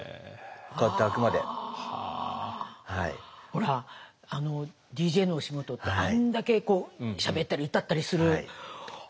ほらＤＪのお仕事ってあんだけしゃべったり歌ったりする。